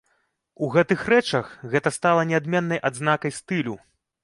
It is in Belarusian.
У гэтых рэчах гэта стала неадменнай адзнакай стылю.